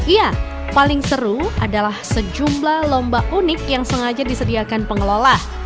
ya paling seru adalah sejumlah lomba unik yang sengaja disediakan pengelola